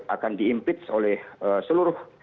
akan diimpeach oleh seluruh